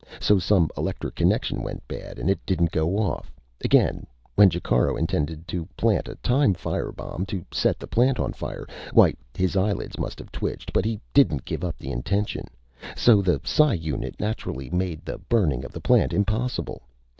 So some electric connection went bad, and it didn't go off. Again, when Jacaro intended to plant a time fire bomb to set the plant on fire why his eyelids must have twitched but he didn't give up the intention. So the psi unit naturally made the burning of the plant impossible.